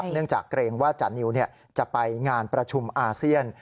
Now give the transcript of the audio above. เนื่องจากเกรงว่าจานิวจะไปงานประชุมอาเซียน